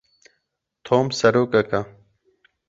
Tom serokek e.